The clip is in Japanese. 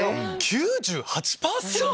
９８％！